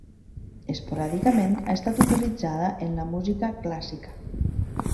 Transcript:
Esporàdicament ha estat utilitzada en la música clàssica.